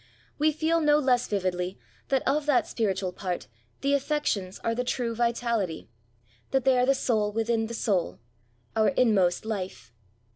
We feel no less vividly that of that spiritual part the affections are the true vitality ; that they are the soul within the soul — our inmost life.